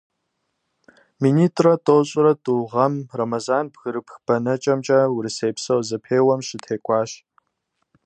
Минитӏрэ тӏощӏрэ тӏу гъэм Рэмэзан бгырыпх бэнэкӏэмкӏэ урысейпсо зэпеуэм щытекӏуащ.